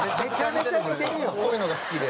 こういうのが好きで。